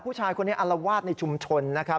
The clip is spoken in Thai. ผู้ชายคนนี้อารวาสในชุมชนนะครับ